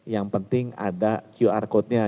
yang penting ada qr codenya